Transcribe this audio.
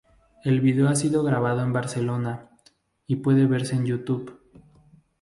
El video ha sido grabado en Barcelona, y puede verse en YouTube.